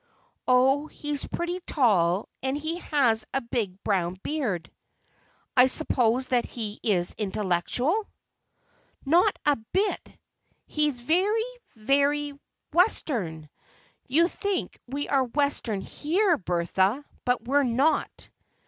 "Oh, he's pretty tall, and he has a big brown beard." "I suppose that he is intellectual?" "Not a bit! He's very—very—Western. You think we are Western here, Bertha, but we're not."